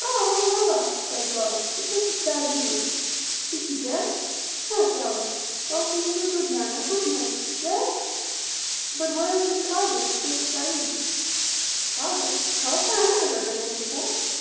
"Ah, ah, Wallah (by God), but this is bad news. Spiki dead? Mash Allah! Ough, he was a good man a good man! Dead!" "But where is this Kazeh, Sheikh Sayd?" "Kazeh? Kazeh? I never heard the name before."